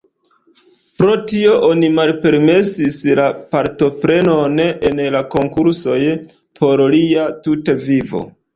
Pro tio oni malpermesis la partoprenon en la konkursoj por lia tuta vivo.